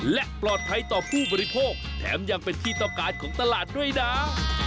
และปลอดภัยต่อผู้บริโภคแถมยังเป็นที่ต้องการของตลาดด้วยนะ